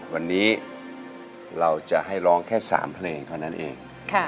วันนี้เราจะให้ร้องแค่๓เพลงเท่านั้นเอง